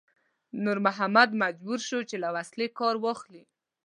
نور محمد مجبور شو چې له وسلې کار واخلي.